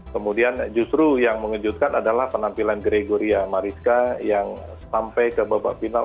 kemudian justru yang mengejutkan adalah penampilan gregoria mariska yang sampai ke babak final